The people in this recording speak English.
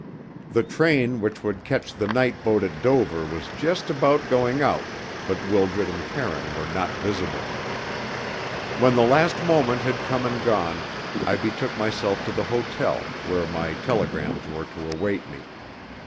The train which would catch the night boat at Dover was just about going out, but Wildred and Karine were not visible. When the last moment had come and gone I betook myself to the hotel, where my telegrams were to await me.